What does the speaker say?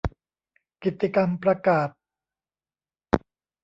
กิตติกรรมประกาศ